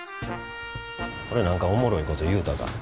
俺何かおもろいこと言うたか？